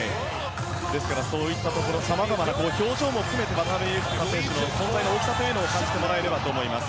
ですからさまざまな表情も含めて渡邊雄太選手の存在の大きさを感じてもらえればと思います。